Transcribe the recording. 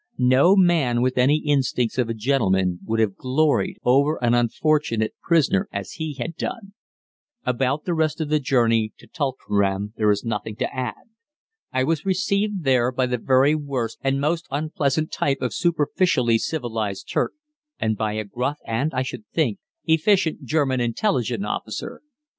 No man with any instincts of a gentleman would have gloried over an unfortunate prisoner as he had done. About the rest of the journey to Tulkeram there is nothing to add. I was received there by the very worst and most unpleasant type of superficially civilized Turk, and by a gruff and, I should think, efficient German intelligence officer.